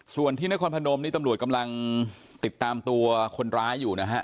ส่วนที่นครพนมนี่ตำรวจกำลังติดตามตัวคนร้ายอยู่นะฮะ